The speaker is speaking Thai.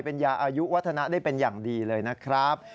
เป็นยาอายุวัฒนะได้เป็นอย่างดีเลยนะครับ